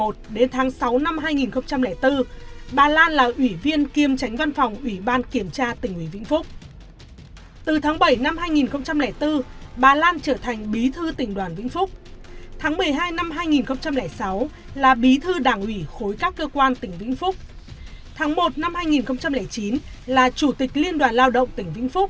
tháng một mươi năm hai nghìn hai mươi bà tiếp tục được bầu làm bí thư tỉnh ủy với sổ phiếu tuyệt đối